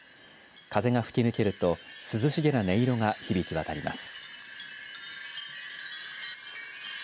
風が吹き抜けると涼しげな音色が響き渡ります。